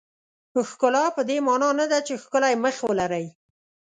ښکلا پدې معنا نه ده چې ښکلی مخ ولرئ.